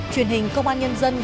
truyền hình công an nhân dân